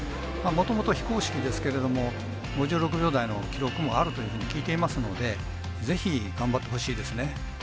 もともと非公式ですけれども５６秒台の記録もあるというふうに聞いていますのでぜひ頑張ってほしいですね。